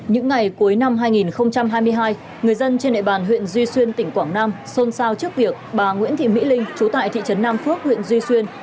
những ngày cuối năm hai nghìn hai mươi hai người dân trên địa bàn huyện duy xuyên tỉnh quảng nam xôn xao trước việc bà nguyễn thị mỹ linh chú tại thị trấn nam phước huyện duy xuyên